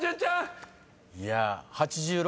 いや８６